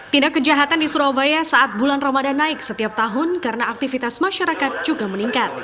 tindak kejahatan di surabaya saat bulan ramadan naik setiap tahun karena aktivitas masyarakat juga meningkat